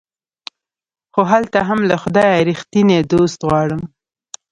خو هلته هم له خدايه ريښتيني دوست غواړم